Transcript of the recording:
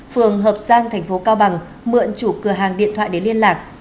phường hợp giang tp cao bằng mượn chủ cửa hàng điện thoại để liên lạc